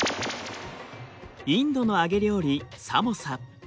インドの揚げ料理サモサ。